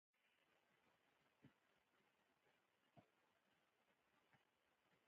تر هجرت وروسته یو کال نه زیاته موده مسلمانانو الاقصی خواته لمونځ کاوه.